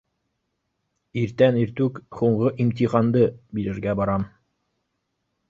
Иртән иртүк һуңғы имтиханды бирергә барам.